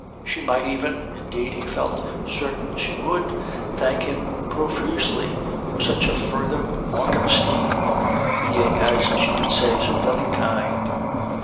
She might even indeed he felt certain she would thank him profusely for such a further mark of esteem, for being, as she would say, so very kind.